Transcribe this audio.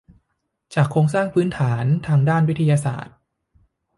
จากโครงสร้างพื้นฐานทางด้านวิทยาศาสตร์